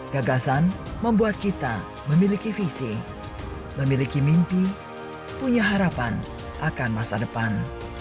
gagasan membuat kita memiliki visi memiliki mimpi punya harapan akan masa depan